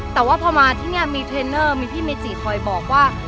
แต่ว่าพอมาที่นี่มีเทรนเนอร์มีพี่เมจิคอยบอกว่า